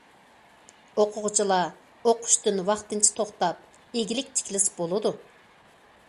ئوقۇغۇچىلار ئوقۇشتىن ۋاقتىنچە توختاپ ئىگىلىك تىكلىسە بولىدۇ.